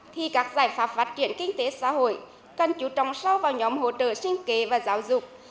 thì các giải pháp phát triển kinh tế xã hội cần chú trọng sâu vào nhóm hỗ trợ sinh kế và giáo dục